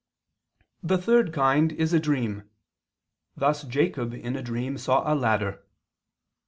The third kind is a dream: thus Jacob in a dream, saw a ladder.